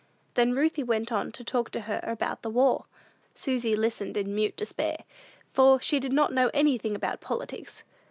Then Ruthie went on to talk about the war. Susy listened in mute despair, for she did not know anything about politics.